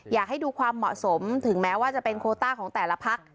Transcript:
อยากให้ดูความเหมาะสมถึงแม้ว่าจะเป็นโคต้าของแต่ละพัก